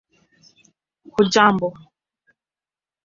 hujambo